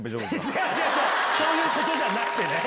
そういうことじゃなくてね！